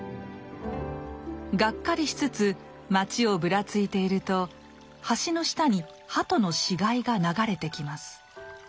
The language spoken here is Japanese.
がっかりしつつ街をぶらついていると橋の下に鳩の死骸が流れてきます。